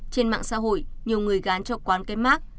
trên mạng xã hội nhiều người gán cho quán cái mát